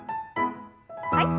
はい。